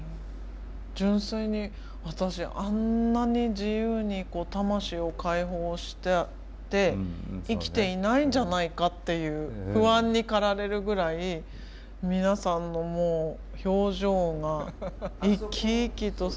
純粋に私あんなに自由に魂を解放して生きていないんじゃないかっていう不安に駆られるぐらい皆さんの表情が生き生きとされてて。